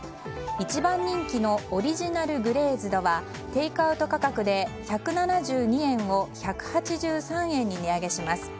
一番人気のオリジナル・グレーズドはテイクアウト価格で１７２円を１８３円に値上げします。